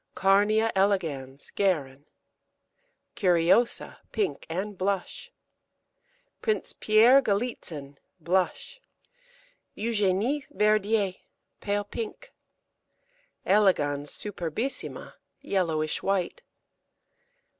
Carnea elegans (Guerin). Curiosa, pink and blush. Prince Pierre Galitzin, blush. Eugenie Verdier, pale pink. Elegans superbissima, yellowish white.